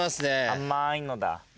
甘いのだ。